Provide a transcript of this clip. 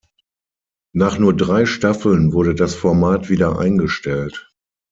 Nach nur drei Staffeln wurde das Format wieder eingestellt.